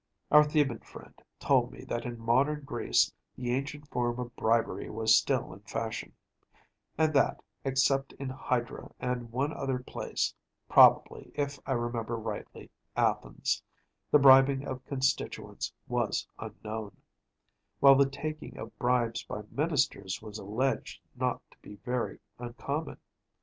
Our Theban friend told me that in modern Greece the ancient form of bribery was still in fashion; and that, except in Hydra and one other place‚ÄĒprobably, if I remember rightly, Athens‚ÄĒthe bribing of constituents was unknown; while the taking of bribes by Ministers was alleged not to be very uncommon.